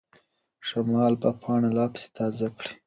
شمال به پاڼه لا پسې تازه کړي.